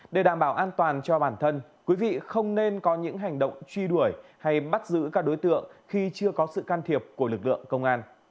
để đảm bảo an toàn cho bản thân quý vị không nên có những hành động truy đuổi hay bắt giữ các đối tượng khi chưa có sự can thiệp của lực lượng công an